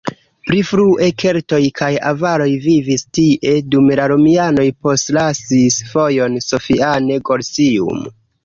Pli frue keltoj kaj avaroj vivis tie, dume la romianoj postlasis vojon Sophiane-Gorsium.